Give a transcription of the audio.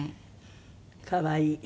可愛い。